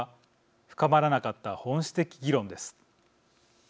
深まらなかった本質的議論です。